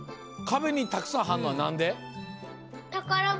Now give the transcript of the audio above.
かべにたくさんはるのはなんで？